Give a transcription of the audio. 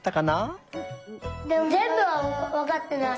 ぜんぶはわかってない。